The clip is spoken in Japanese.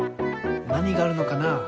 なにがあるのかな？